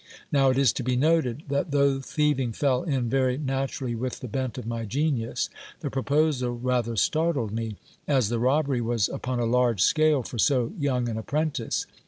Now it is to be noted, that though thieving fell in very naturally with the bent of my genius, the proposal rather startled me, as the robbery was upon a large scale for so young an apprentice.